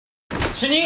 主任。